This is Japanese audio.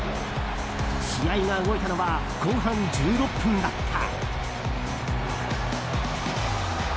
試合が動いたのは後半１６分だった。